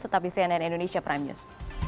tetap di cnn indonesia prime news